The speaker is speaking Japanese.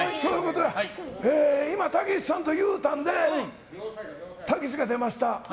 今、たけしさんと言うたのでたけしが出ました。